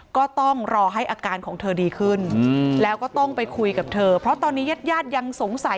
ก็ต้องรอให้อาการของเธอดีขึ้นแล้วก็ต้องไปคุยกับเธอเพราะตอนนี้ญาติญาติยังสงสัย